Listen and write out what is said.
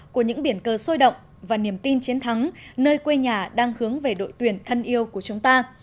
của những biển cờ sôi động và niềm tin chiến thắng nơi quê nhà đang hướng về đội tuyển thân yêu của chúng ta